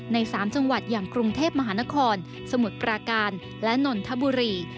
ใน๓จังหวัดอย่างกรุงเทพมหานครสมุทรปราการและนนทบุรี